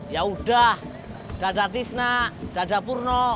yaudah dada tisna dada purno